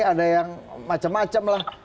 ada yang macam macam lah